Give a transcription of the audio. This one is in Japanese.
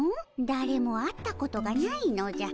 だれも会ったことがないのじゃ。